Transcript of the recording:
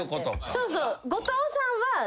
そうそう。